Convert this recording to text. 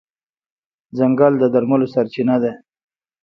ځنګل د درملو سرچینه ده.